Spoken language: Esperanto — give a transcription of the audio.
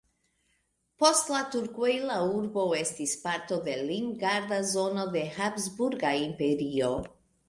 Post la turkoj la urbo estis parto de limgarda zono de Habsburga Imperio.